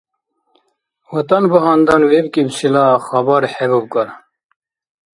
ВатӀан багьандан вебкӀибсила хабар хӀебубкӀар.